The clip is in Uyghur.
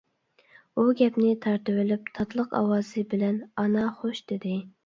ئۇ گەپنى تارتىۋېلىپ، تاتلىق ئاۋازى بىلەن:-ئانا، خوش-دېدى.